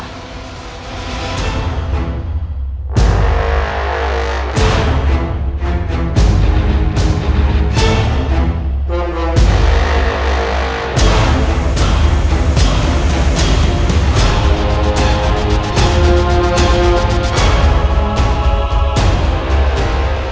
โปรดติดตามตอนต่อไป